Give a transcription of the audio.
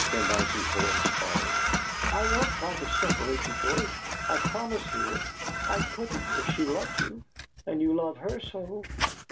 Pendyce's voice followed: "I won't try to separate you, George; I promise, dear. I couldn't, if she loves you, and you love her so!"